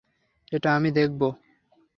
এটা আমি দেখব।